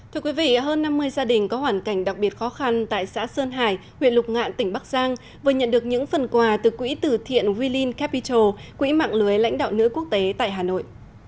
thưa quý vị hơn năm mươi gia đình có hoàn cảnh đặc biệt khó khăn tại xã sơn hải huyện lục ngạn tỉnh bắc giang vừa nhận được những phần quà từ quỹ tử thiện willing capital quỹ mạng lưới lãnh đạo nữ quốc tế tại hà nội